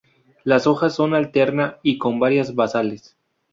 Las hojas son alterna y con varias basales.